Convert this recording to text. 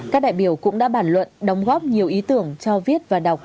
các đại biểu cũng đã bản luận đóng góp nhiều ý tưởng cho viết và đọc